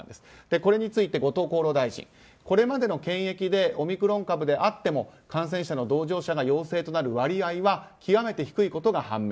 これについて、後藤厚労大臣これまでの検疫でオミクロン株であっても感染者の同乗者が陽性となる割合は極めて低いことが判明。